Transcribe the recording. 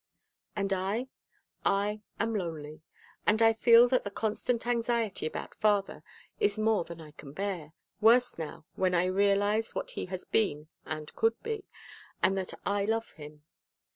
And I? I am lonely. And I feel that the constant anxiety about father is more than I can bear, worse now when I realize what he has been and could be and that I love him.